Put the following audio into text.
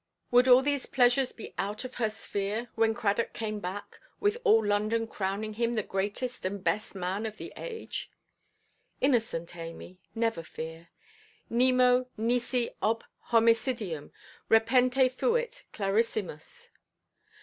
Would all these pleasures be out of her sphere, when Cradock came back, with all London crowning him the greatest and best man of the age? Innocent Amy, never fear. "Nemo, nisi ob homicidium, repente fuit clarissimus."